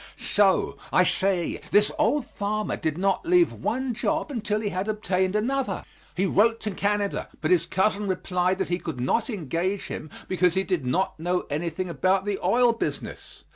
So I say this old farmer did not leave one job until he had obtained another. He wrote to Canada, but his cousin replied that he could not engage him because he did not know anything about the oil business.